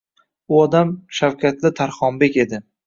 U odam — shavkatli Tarxonbek edi!